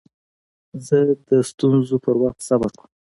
زه د ستونزو پر وخت صبر کوم.